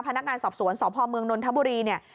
พนักงานสอบสวนสภนทบุรีเนี่ย